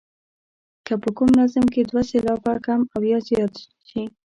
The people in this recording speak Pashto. که په کوم نظم کې دوه سېلابه کم او یا زیات شي.